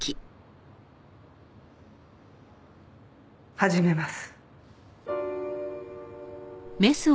始めます。